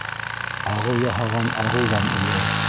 Ағыу яһаған ағыуҙан үлер